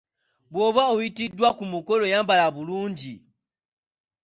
Bw’obanga oyitiddwa ku mukolo yambala bulungi.